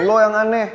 lo yang aneh